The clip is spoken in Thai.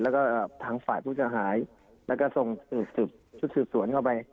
แล้วก็ทางฝ่ายผู้เสียหายแล้วก็ส่งชุดสืบสวนเข้าไป